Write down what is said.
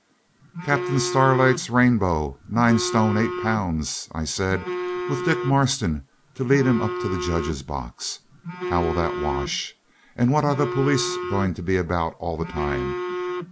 'Captain Starlight's Rainbow, 9 st. 8 lb.,' I said, 'with Dick Marston to lead him up to the judge's box. How will that wash? And what are the police going to be about all the time?